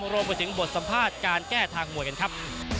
รวมไปถึงบทสัมภาษณ์การแก้ทางมวยกันครับ